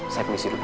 saya kemisi dulu